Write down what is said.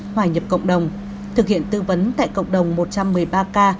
hoài nhập cộng đồng thực hiện tư vấn tại cộng đồng một trăm một mươi ba ca